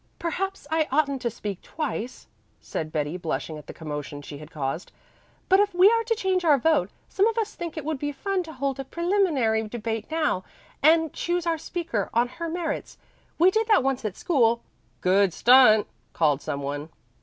"Perhaps I oughtn't to speak twice," said Betty blushing at the commotion she had caused, "but if we are to change our vote, some of us think it would be fun to hold a preliminary debate now, and choose our speaker on her merits. We did that once at school " "Good stunt," called some one.